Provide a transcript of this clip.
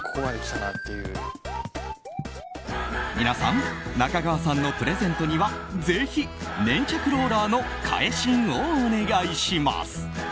皆さん中川さんのプレゼントにはぜひ、粘着ローラーの替え芯をお願いします。